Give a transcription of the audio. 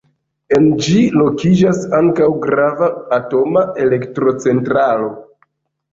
En ĝi lokiĝas ankaŭ grava atoma elektrocentralo.